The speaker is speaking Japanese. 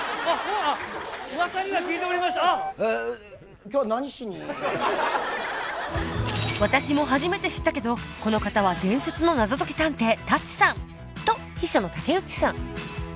あっ私も初めて知ったけどこの方は伝説の謎とき探偵舘さんと秘書の竹内さん